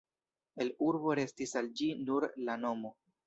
El urbo restis al ĝi nur la nomo.